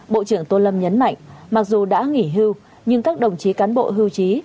bộ trưởng tô lâm nhấn mạnh mặc dù đã nghỉ hưu nhưng các đồng chí cán bộ hưu trí